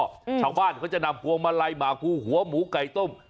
ชาวบ้านก็จะนำบรีโบมาลัยมากุหัวหมูไก่ต้ม